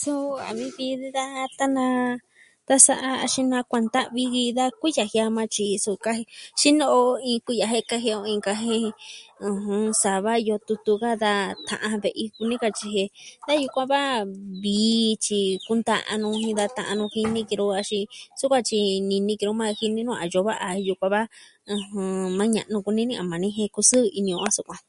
Suu a vi vi da tana... tasa'a a xina kuaan ta'vi ji da kuiya jiaa ma tyiso kaji xino'o iin kuiya jen kaji o inka jen sava yoo tutu ka da ta'an ve'i kuni katyi jen. Da yukuan va vii tyi kunta'a nu jin da ta'nu kini ki ro axin su kuatyi ni ni ki ro maa jini nu a iyo va'a a iyo kuaa va'a. Maa ña'nu kuni ni a maa ni jen kusɨɨ ini o sukuan.